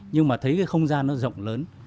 nhưng mà thấy cái không gian nó rộng lớn